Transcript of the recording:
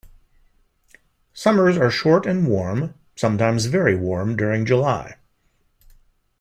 Summers are short and warm, sometimes very warm during July.